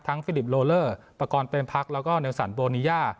ฟิลิปโลเลอร์ประกอบเต็มพักแล้วก็เนลสันโบนีย่า